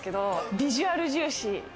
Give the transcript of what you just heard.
ビジュアル重視。